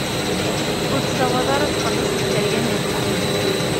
Ur tessaweḍ ara ad txelleṣ lkaryan n uxxam.